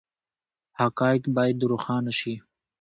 حقایق باید روښانه شي.